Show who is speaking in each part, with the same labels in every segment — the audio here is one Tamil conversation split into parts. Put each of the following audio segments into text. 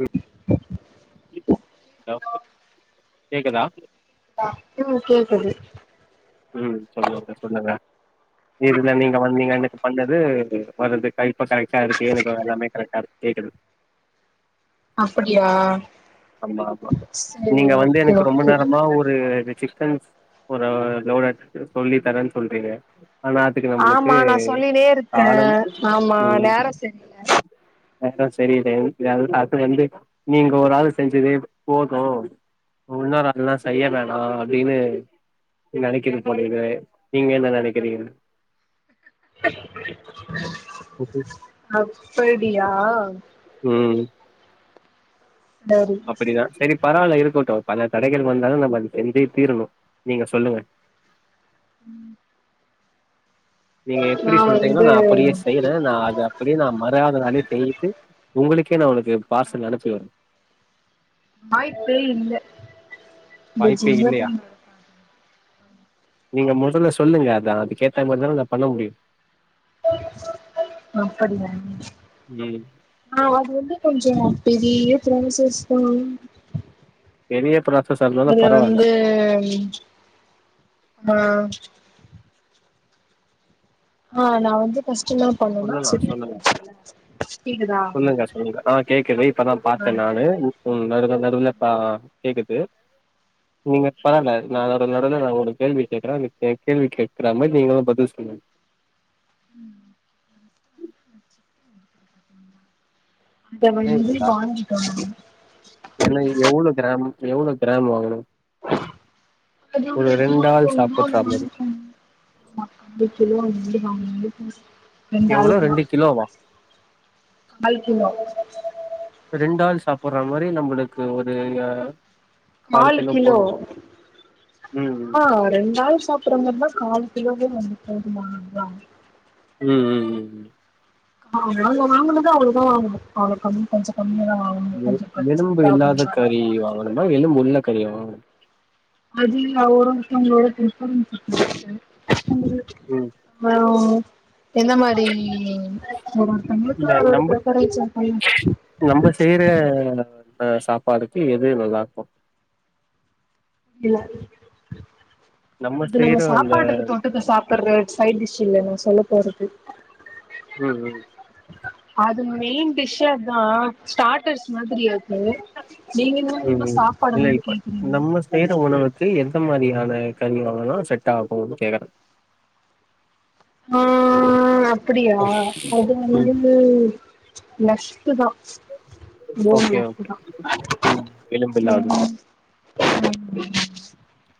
Speaker 1: ம் ஹலோ கேக்குதா
Speaker 2: உம் கேக்குது
Speaker 1: ம் சொல்லுங்க சொல்லுங்க இதுல நீங்க வந்து நீங்க எனக்கு பண்ணது வர்றது [unintelligible] கரெக்டா இருக்கு எனக்கு எல்லாமே கரெக்டா இருக்கு கேக்குது
Speaker 2: அப்பிடியா
Speaker 1: ஆமா ஆமா ஆ நீங்க வந்து எனக்கு ரொம்ப
Speaker 2: ஓகே
Speaker 1: நேரமா ஒரு சிக்கன் ஒரு [unintelligible] சொல்லி தரன்னு சொல்றீங்க ஆனா அதுக்கு நம்மளுக்கு
Speaker 2: ஆமா நான் சொல்லினே இருக்க
Speaker 1: காலம்
Speaker 2: ஆமா
Speaker 1: ம்
Speaker 2: நேரம் செரியல
Speaker 1: நேரம் செரியில்ல [unintelligible] அது வந்து நீங்க ஒரு ஆள் செஞ்சதே போதும் மூணு நேர நாலு நேர செய்ய வேணா அப்டின்னு நெனைக்கிற போள நீங்க என்ன நெனைக்கிறீங்க ஓகே
Speaker 2: அப்படியா
Speaker 1: உம்
Speaker 2: சரி
Speaker 1: அப்படிதான் செரி பரவால்ல இருக்கட்டும் பல தடைகள் வந்தாலும் நம்ம அத செஞ்ஜே தீரணும் நீங்க சொல்லுங்க
Speaker 2: ம்
Speaker 1: நீங்க எப்டி சொல்டீங்ளோ
Speaker 2: வந்து
Speaker 1: நா அப்டியே செய்யற நா அது அப்டியே நா மறாதுனாலே செய்து உங்களுக்கே நா [unintelligible] பார்சல் அனுப்பிவிட்ற
Speaker 2: வாய்ப்பே இல்ல இந்த
Speaker 1: வாய்ப்பே இல்லையா
Speaker 2: ஜென்மத்துல நடக்காது
Speaker 1: நீங்க முதல்ல சொல்லுங்க அது அதுக்கேத்த மாரிதான நா பண்ண முடியும்
Speaker 2: அப்படியா
Speaker 1: ம்
Speaker 2: ஆ ஆ [unintelligible] கொஞ்சம் பெரிய புராசஸசு தான்
Speaker 1: பெரிய புரா
Speaker 2: அது வந்து ஆ ஆ நா வந்து பஷ் ஷின்னா பண்ணுனா
Speaker 1: சொல்லலா
Speaker 2: செரி
Speaker 1: சொல்லுங்க சொல்லுங்க சொல்லுங்க ஆ கேக்குது இப்பதா
Speaker 2: ஆ
Speaker 1: பாத்தே நானு ம் நடுல நடுல ஆ கேக்குது நீங்க பரால நா நடுல நடுல நா உங்களுக் கேள்வி கேக்குறே ஏ கேள்வி கேட்குற மாரி நீங்களு பதில் சொல்லுங்க
Speaker 2: ம் அத [unintelligible]
Speaker 1: கேக்குதா
Speaker 2: வாங்கிடோ
Speaker 1: ஏன்னா
Speaker 2: நாங்க
Speaker 1: எவ்ளோ கிராம் எவ்ளோ கிராம் வாங்கணு ஒரு ரெண்டு ஆள் சாப்புட்ற மாரி
Speaker 2: [unintelligible] ம்
Speaker 1: எவ்ளோ ரெண்டு கிலோவா
Speaker 2: கால் கிலோ
Speaker 1: ரெண்டால் சாப் போற மாரி நம்மளுக்கு ஒரு கால்
Speaker 2: நாலு கிலோ
Speaker 1: போது ம்
Speaker 2: ஆஹ் ரெண்டு ஆள் சாப்பிட்றமாரி இருந்தா கால் [unintelligible]
Speaker 1: உம் உம் உம்
Speaker 2: ஆஹ நாங்க வாங்கினதே அவ்ளோதா வாங்குவே அவ்ளோ கம்
Speaker 1: எலும்பு இல்லாத
Speaker 2: ஆகுறதுனால
Speaker 1: கறி வாங்கணுமா எலும்பு உள்ள கரி வாங்கணு
Speaker 2: அது ஒருஒருதங்களோட விருப்பத்த பொருத்து
Speaker 1: ம்
Speaker 2: ஆ எந்த மாரி ஒரு ஒருத்தவங்களுக்கு
Speaker 1: இல்ல
Speaker 2: ஒரு
Speaker 1: நம்ப ஆஹ் சாப்பாடுக்கு எது நல்லா இருக்கும்
Speaker 2: இல்ல அது நம்ம
Speaker 1: செய்ற அந்த
Speaker 2: சாப்பாட்டுக்கு தொட்டுக்க சாப்பிடுற சைட் டிஷ் இல்ல நான் சொல்ல போறது
Speaker 1: உம் உம்
Speaker 2: அது மெயின் டிஸ்தா தா ஸ்டார்டர்ஸ் மாதிரி அது நீங்க என்ன என்ன
Speaker 1: ஹம் இல்ல
Speaker 2: சாப்பாடெல்லா
Speaker 1: இப்ப
Speaker 2: கேக்குறீங்க
Speaker 1: நம்ம செய்யுற உணவுக்கு எ எந்த மாரியான கரியெல்லா வாங்குனா செட் ஆகும்னு கேட்கற
Speaker 2: ம் அப்படியா அது
Speaker 1: ம்
Speaker 2: வந்து லஸ்டு தா
Speaker 1: ஓகே ஓகே ம் எலும்பில்லாதது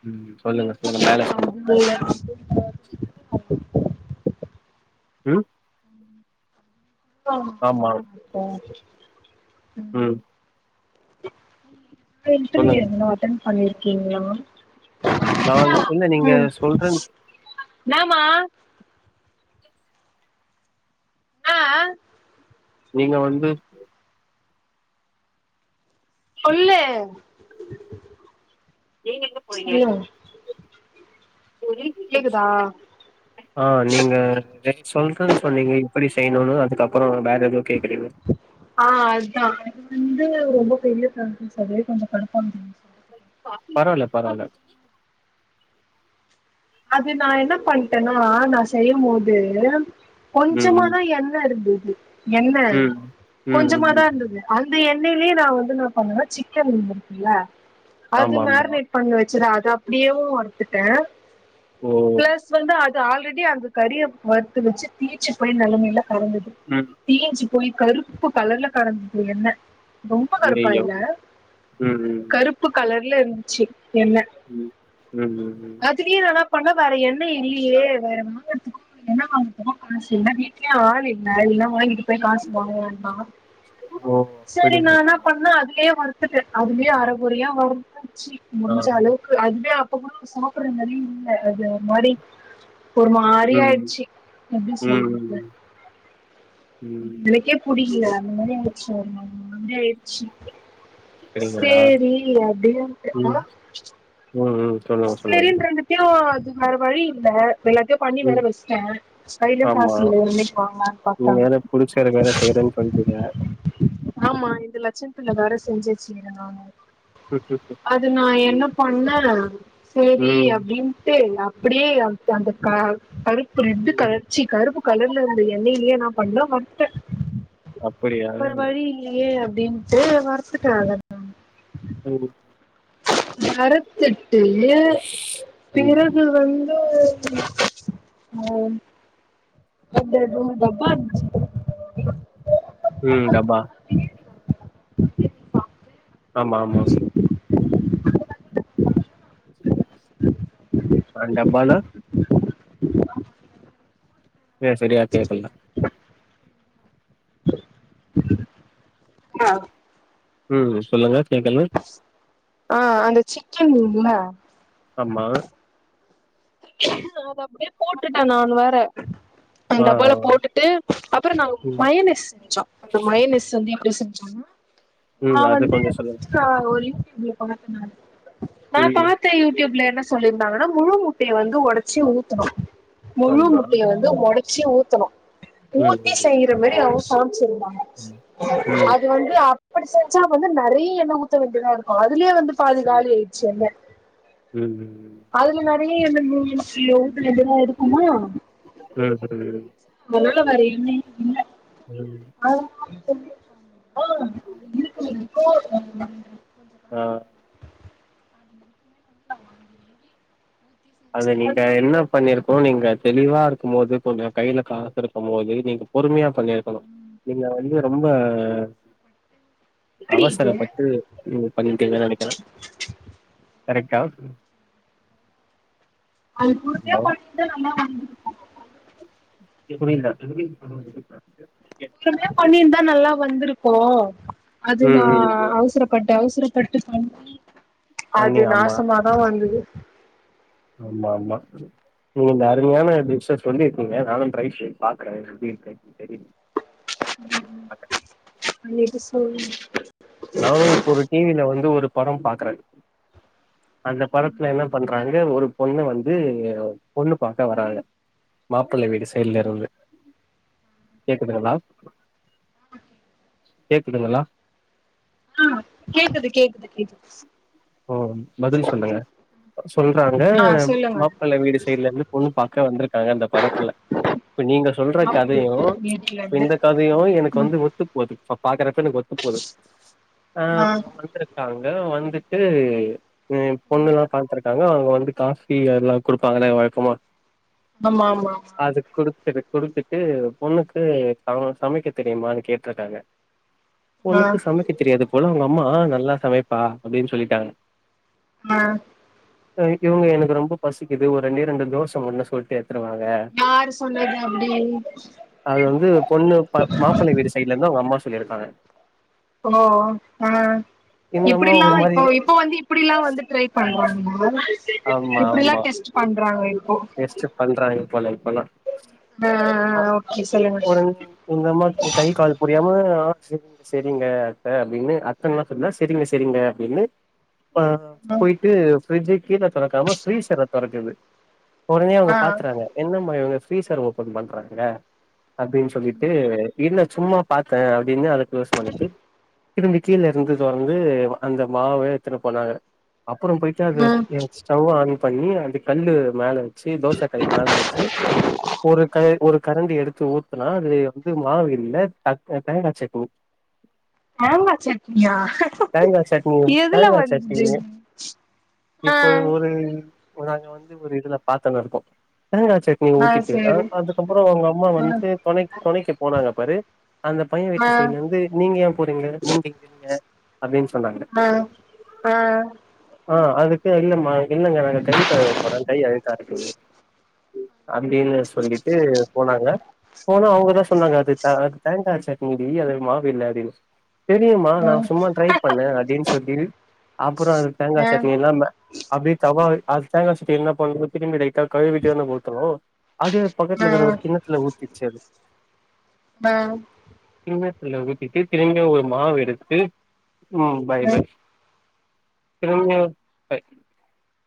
Speaker 1: ம் சொல்லுங்க சொல்லுங்க மேல சொல்லு மேல சொல்லு உம்
Speaker 2: [unintelligible]
Speaker 1: உம்
Speaker 2: [inaudible]
Speaker 1: சொல்லுங்க.
Speaker 2: [unintelligible] பண்ணிருக்கீங்ளா
Speaker 1: நான் இல்ல நீங்க சொல்றேன் சொ
Speaker 2: என்னாமா ஆ ஆ
Speaker 1: நீங்க வந்து
Speaker 2: சொல்லு
Speaker 1: நீங்க எங்க போனீங்க
Speaker 2: சொல்லுங்க கேக்குதா
Speaker 1: ஆஹ் நீங்க சொல்ற சொன்னீங்க இப்டி தேய்னூனு அதுக்கப்பறோ பேக்
Speaker 2: ஆஹ் அதா அது வந்து
Speaker 1: ம்.
Speaker 2: ரொம்ப பெரிய [inaudible] அது கொஞ்சொ கடுப்பான திங்ஸ் [unintelligible]
Speaker 1: பரவால பரவால
Speaker 2: அது நா என்ன பண்டேன்னா நா செய்யும் போது
Speaker 1: ம், ம்,
Speaker 2: கொஞ்ஜமாதா எண்ண இருந்தது எண்ண
Speaker 1: ம், ம், ம்,
Speaker 2: கொஞ்ஜமாதா
Speaker 1: ம்.
Speaker 2: இருந்தது அது இந்த எண்ணெயிலயே நா வந்து நா பண்ணுவ சிக்கன் இருக்குல்ல அது
Speaker 1: ஆமாமா.
Speaker 2: மேரினேட் பண்ணி வச்சுற அ தப்டியேவு அருத்துட்ட
Speaker 1: ஓ!
Speaker 2: பிளஸ் வந்து அத் த்து ஆல்ரெடி அந்த கறிய வறுத்து வச்சி தீச்சி போய் நெலமையில கலந்தது
Speaker 1: ம்.
Speaker 2: [unintelligible] போய் கருப்பு கலர்ல கடந்தது எண்ண ரொம்ப
Speaker 1: ஐயய்யோ!
Speaker 2: கருப்பாயில்ல
Speaker 1: ம், ம்,
Speaker 2: கருப்பு கலர் கீழ் இருந்ச்சி எண்ண
Speaker 1: ம், ம், ம், ம்.
Speaker 2: அதுலெயே நல்லா பண்ண வேற எண்ணெய் இல்லியே வேற வாங்கறதுக்கு என்னா பண்றது காசு இல்ல வீட்லயே ஆள் இல்ல இருந்தா வாங்கிட்
Speaker 1: ஓ!
Speaker 2: [unintelligible] சரி நா
Speaker 1: அப்படிங்களா?
Speaker 2: என்ன பண்ண அதிலயே வ அதுலயே அரைகுறையா வ
Speaker 1: ஆ.
Speaker 2: முடிஞ்ச அளவுக்கு அதுவே அப்புறமா சாப்ற நெலையே இல் அது மாரி ஒரு மாரி
Speaker 1: ம்,
Speaker 2: ஆயிட்ச்சி எப்டி
Speaker 1: ம்,
Speaker 2: சொல்றது
Speaker 1: ம், ம்.
Speaker 2: எனக்கே புடிக்ல அந்த மாரி ஆயிடுச்சி ஒரு மாரி வந்து ச்சி
Speaker 1: அப்படிங்களா?
Speaker 2: சேரி அப்டியான்டு தா
Speaker 1: ம், ம், ம். சொல்லுங்க, சொல்லுங்க.
Speaker 2: சரின்றகத்தியோ அது வேறு வழி இல்ல எல்லாத்தையு பண்ணி வேற
Speaker 1: ம்.
Speaker 2: வெச்சுட்டேன் கைலயு
Speaker 1: ஆமா
Speaker 2: காசு இல்லை என்னிகோங்கனு பாத்தா
Speaker 1: நீங்க வேற புடிச்சத வேற செய்றேன்னு சொல்ட்டீங்க
Speaker 2: ஆமா இந்த லட்ச இல்ல வேற செஞ்சு [unintelligible] அது நா என்ன பண்ணே சேரி
Speaker 1: ம்
Speaker 2: அப்டின்ட்டு அப்டியே அந்த க கரு இப்ப இது
Speaker 1: ம்
Speaker 2: கலர்ச்சி கருப்பு கலர்ல இருந்த எண்ணையிலயே நா கொண்ண மட்ட
Speaker 1: அப்படியா
Speaker 2: வேற வழி இல்லையே ப்படின்ட்டு வர்த்துக்காகதா
Speaker 1: ம்
Speaker 2: பாரத் [unintelligible]
Speaker 1: ம்
Speaker 2: பிறகு வந்து ம் அந்த ரூம் தாம்ப்பா இந்துச்சி
Speaker 1: ம் டப்பா ஆமா ஆமாங் ஆ டப்பானா ஆஹ சரியா கேக்கல
Speaker 2: ஆ
Speaker 1: ம் சொல்லுங்க கேக்கல
Speaker 2: ஆ அந்த சிக்கன் இருக்குல
Speaker 1: ஆமா
Speaker 2: அத அப்படியே போட்டுட்டே நான் வேற அந்த
Speaker 1: ஆ
Speaker 2: டபால
Speaker 1: ஆ
Speaker 2: போட்டுட்டு அப்புறோ நா
Speaker 1: ம்
Speaker 2: மயனிஸ் செஞ்சோ அந்த மயனிஸ் வந்து அப்டியே செஞ்சா நா
Speaker 1: ம் அது
Speaker 2: வந்து
Speaker 1: கொஞ்சோ சொல்லுங்க
Speaker 2: [unintelligible] நீ பாக்க நா ஆ
Speaker 1: ம்
Speaker 2: பாத்தே யூ டியூப்ல என்ன சொல்லிருந்தாங்கன்னா முழு மு அப்படியே வந்து உடைச்சி ஊத்தனு முழு
Speaker 1: ஆமா
Speaker 2: முட்டைய வந்து ஒட ச்சி ஊத்தனூ
Speaker 1: ம்
Speaker 2: ஊத்தி செய்றமேரி அவுஸ்
Speaker 1: ம்
Speaker 2: [unintelligible]
Speaker 1: ம் ம்
Speaker 2: அது வந்து அ இப்படி செஞ்சா வந்து நறைய எண்ண ஊத்த வேண்டியதா இருக்கோ அதுலயே வந்து பாதிகாலி ஆயிடுச்சு எண்ண
Speaker 1: ம் ம் ம்
Speaker 2: [unintelligible] எதுனா இருக்குமா
Speaker 1: ம் ம்
Speaker 2: எவ்ளோ நேரோ எண்ணே இல்ல
Speaker 1: ம் ம்
Speaker 2: [unintelligible] [unintelligible]
Speaker 1: ஆஹ் அது நீங்க என்ன பண்ணிருக்கணோ நீங்க தெளிவா இருக்கும் போது கொஞ்சோ கைல காசு இருக்கும் போது நீங்க பொறுமையா பண்ணி இருக்கணும் நீங்க வந்து ரொம்ப அவசர
Speaker 2: தேடிட்டு
Speaker 1: பட்டு இதை பண்ணிருக்கீங்கன் நனக்கிறேன் கரெக்டா
Speaker 2: அது குருக்கே
Speaker 1: ஹலோ
Speaker 2: கொண்ணிருந்த நல்லா [unintelligible]
Speaker 1: எப்படி இந்த [unintelligible]
Speaker 2: [unintelligible] பண்ணிருந்தா நல்லா வந்திருக்கோ
Speaker 1: ம்
Speaker 2: அதுன
Speaker 1: ம் ம்
Speaker 2: அவசர பட்ட அவசர பத்து பவுன்
Speaker 1: பண்ணி
Speaker 2: அது
Speaker 1: ஆமா
Speaker 2: நாசமாதா வந்தது
Speaker 1: ஆமா ஆமா நீங்க இந்த அருமையான டிஷ் ஆ சொல்லி இருக்கீங்க நானும் ட்ரை பண்ணி பாக்குறேன் எப்படி இருக்குன்னு தெரியல ட்ரை பண்ணி பாக்குறேன்
Speaker 2: இல்லேட்டி சொல்லுங்க
Speaker 1: நானும் இப்ப ஒரு டிவில வந்து ஒரு படம் [unintelligible] க்றன் அந்த படத்துல என்ன பண்றாங்க ஒரு பொண்ணு வந்து பொண்ணு பாக்க வராங்க மாப்பிள்ளை வீடு சைடுல இருந்து கேக்குதுங்களா கேக்குதுங்களா
Speaker 2: கேக்குது கேக்குது கேக்குது
Speaker 1: ஓ பதில் சொல்லுங்க சொல்றாங்க
Speaker 2: ஆ சொல்லுங்க
Speaker 1: மாப்பிள்ள வீடு சைடல இருந்து பொண்ணு பாக் க வந்துருக் க்கா இந்த படத்துல இப்ப நீங்க சொல்ற
Speaker 2: சாப்டுட்டு
Speaker 1: கதையும்
Speaker 2: இருக்கே வீட்ல இருந்து
Speaker 1: இந்த கதையும் எனக்கு
Speaker 2: ம்
Speaker 1: வந்து ஒத்துப்போகுது இப்ப பாக்குறப்ப எனக்கு ஒத்துப்போகுது
Speaker 2: ஆ
Speaker 1: ஆஹ் வந்திருக்காங்க எல்லாரோ வந்து ஏ ம் பொண்ணுங்கலா பாத்ருக்காங்க அதான் அவங்க வந்து காபி அதெலாம் குடுப்பாங்களே வழக்கமா
Speaker 2: ஆமா ஆமா
Speaker 1: அது குடுத்துரு கொடுத்துட்டு பொண்ணுக்கு ச சமைக்க தெரியுமான்னு கேட்டுறுக்காங்க
Speaker 2: ஆ
Speaker 1: உனக்கு சமைக்க தெரியாது போல உங்க அம்மா ஆ நல்லா சமைப்பா அப்டின்னு சொல்லிட்டாங்க
Speaker 2: ஆ
Speaker 1: [unintelligible] இவங்க எனக்கு ரொம்ப பசிக்குது ஒரு ரெண்டே ரெண்டு தோசை [unintelligible] சொல்லிட்டே வாங்க
Speaker 2: யாரு சொன்னது அப்டி
Speaker 1: அது வந்து பொண்ணு பா மாப்பள வீடு சைட்லருந்து அவுங்க அம்மா சொல்லிரு [unintelligible]
Speaker 2: ஓ ஆஹ்
Speaker 1: இந்த
Speaker 2: இப்படி
Speaker 1: அம்மா
Speaker 2: ஆ
Speaker 1: ஒரு மாரி
Speaker 2: இப்போ இப்ப வந்து இப்டில்லாம் வந்து ட்ரை பண்றோம் இப்டிலாம் டெஸ்ட் பண் [unintelligible]
Speaker 1: வேஸ்ட் பண்றாங்க இப்போ இப்போல்லாம்
Speaker 2: ஆ ஓகே சொல்லுங்க
Speaker 1: அ எங்க அம்மா கை கால் புரியாம செரிங்க செரிங்க அதா அப்டின்னு அர்த்தம்லா சொல்லுல செரிங்க செரிங்க அப்டின்னு ஆ
Speaker 2: ம்
Speaker 1: போயிட்டு ஃப்ரிட்ஜ கீழ தொறக்காம ஃப்ரீசர தொறக்குது [unintelligible] அவுங்க
Speaker 2: ஆ
Speaker 1: பாத்துருவாங்க என்ன மாரி ஃப்ரீசர ஓப்பன் பண் கடசில அப்டின்னு சொல்லிட்டு இல்ல சும்மா பாத்தேன் அப்டின்னு அத யூஸ் பண்ணிட்டு திரும்பி கீழ இருந்து தொறந்து அந்த மாவே எத்துன்னு போனாங்க அப்பறோ போயிட்டு அது
Speaker 2: ம்
Speaker 1: [unintelligible] ஸ்டவ்வ ஆன் பண்ணி அந்த கல்லு மேல சி தோசக்கல்லு மேல வச்சு ஒரு க ஒரு கரண்டி எடுத் எடுத்து ஊத்துனா அது வந்து மாவில்ல தக் தேங்கா சட்னி
Speaker 2: மாங்கா சட்னியா
Speaker 1: தேங்கா சட்னி
Speaker 2: எதுல
Speaker 1: தேங்கா
Speaker 2: வந்துது
Speaker 1: சட்னிங்க
Speaker 2: ஆ
Speaker 1: இப்போ ஒரு நாங்க வந்து ஒரு இதுல பாாத்துன்னு இருக்கோம் தேங்காய் சட்னி
Speaker 2: ஆ
Speaker 1: ஊத்திட்டிங்லா
Speaker 2: சேரி
Speaker 1: அதுக்கப்புறோ உங்க அம்மா
Speaker 2: ஆ
Speaker 1: வந்து தொணை தொணைக்கி போனாங்க பாரு அந்த பையன்
Speaker 2: ஆ
Speaker 1: வீட்டு சைடுலேந்து நீங்க ஏன் போறீங்க நீங்க இங்க இருங்க அப்டின்னு சொன்னாங்க
Speaker 2: ஆ ஆ ஆ
Speaker 1: ஆ அதுக்கு இல்லம்மா இல்லங்க நாங்க கை கழுவ போறோம் கை அழுக்கா இருக்கு அப்பிடினு சொல்லி [unintelligible] போனாங்க போனா அவுங்க தா சொன்னாங்க அது த, அது தேங்காய் சட்னீடி அது மாவு இல்ல அப்டினு தெரியுமா நா
Speaker 2: ஆ
Speaker 1: சும்மா ட்ரை பண்ணே அப்டின் [unintelligible] ஆம் அப்றோ அது தேங்கா
Speaker 2: ஆ
Speaker 1: சட்னி எல்லாமே அப்பிடியே தவா அது தேங்கா சட் ப்ப என்ன பண்றது திரும்பி [unintelligible] கழுவிட்டு வேணா ஊத்தறோ அது பக்கத்துலருக்கற ஒரு கிண்ணத்துல ஊத்திட்ச்சி அது
Speaker 2: ஆஹ்
Speaker 1: கிண்ணத்துல ஊத்திட்டு திரும்பி ஒரு மாவ் எடுத்து ஹும் பை பை திரும்பியு [unintelligible]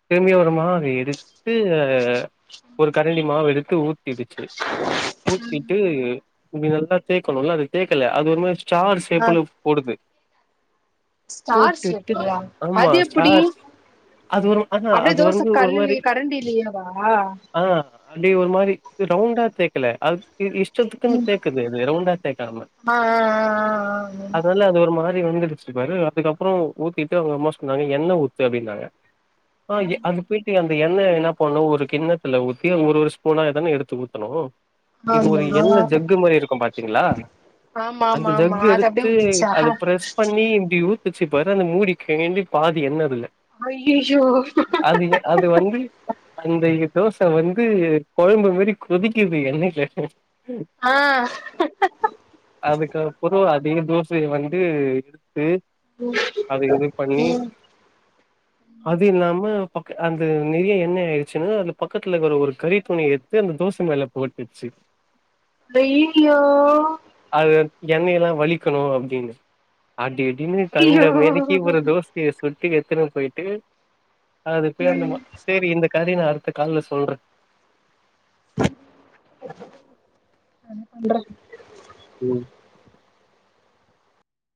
Speaker 1: திரும்பியு ஒரு மாவு எடுத்து ஒரு கரண்டி மாவு எடுத்து ஊத் தீந்துர்ச்சு ஊத்திட்டு இப்டி நல்லா தேக்கணு [unintelligible] அத தேக்கல அது ஒரு மாரி ஸ்டார்
Speaker 2: ஆ
Speaker 1: ஷேப்புல போடுது
Speaker 2: ஸ்டார்
Speaker 1: போட்டுட்டு
Speaker 2: ஷேப்லயா
Speaker 1: ஆமா
Speaker 2: அது எப்பிடி
Speaker 1: ஸ்டார் அது ஒரு ஆனா
Speaker 2: அப்டியே
Speaker 1: அது
Speaker 2: தோச
Speaker 1: வந்து ஒரு மாரி
Speaker 2: கல்லுலே கரண்டிலயேவா
Speaker 1: அப்டி ஒரு மாரி து ரவுண்டா தேக்கலா அத் இத் இஷ் ஷ்டத்துக்குன் தேய்க்குது அது ரவுண்டா தேக்காம
Speaker 2: ஆ
Speaker 1: அதனால அது ஒரு மார் வந்திடுச்சு பாரு அதுக்கப்றோ ஊத்திட்டு அவுங்க அம்மா சொன்னாங்க எண்ண ஊத்து அப்டின்னாங்க ஆஹ் அது போயிட்டு அந் எண்ணெய என்ன பண்ணும் ஒரு கிண்ணத்துல ஊத்தி ஒரு ஒரு ஸ்பூனா தானே எடுத் துத்தானும்
Speaker 2: ஆ
Speaker 1: [unintelligible] இது ஒரு
Speaker 2: ஆ ஆ
Speaker 1: என்ன ஜக்கு மாரி இருக்கூ பாத்தீங்களா
Speaker 2: ஆமா
Speaker 1: அந்த
Speaker 2: ஆமா ஆமா
Speaker 1: ஜக்கு
Speaker 2: அது அப்டியே
Speaker 1: எடுத்து
Speaker 2: ஊத்திச்சா
Speaker 1: அத பிரஸ் பண்ணி இப்படி ஊத் ச்சி பாரு அந்த மூடி கெழண்டு பாதி எண்ணே அதுல
Speaker 2: அய்யய்யோ
Speaker 1: அது அது வந்து அந்த தோசை வந்து குழம்பு மாரி கொதிக்குது எண்ணெய்ல
Speaker 2: ஆ
Speaker 1: நீங்க தோசையை வந்து த்து அத இது பண்ணி அது இல்லாம பக்க அந்த நெறிய எண்ணே ஆயிடுச்சுன்னா அது பக்கத்துல இக்குற ஒரு கறி துணி எத்து அந்த தோச [unintelligible] மேல போட்டுச்சு
Speaker 2: [unintelligible]
Speaker 1: என்ன எல்லா வலிக்குணோ அப்டின் ஆடிட் அப்டின்னு கண்ட
Speaker 2: ஐயோ
Speaker 1: மேனிக்கு ஒரு தோஸைய சுட்டு எத்துன்னு போய்ட் டே அதுப்பேர்
Speaker 2: ம்
Speaker 1: ன்னமோ செரி இந்த கதிரயு நா அறு ஒத்த கால்ல சொல்றே
Speaker 2: [inaudible] நா ன்ன பண்றே
Speaker 1: ம்